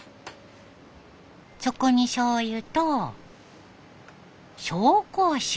そこにしょうゆと紹興酒。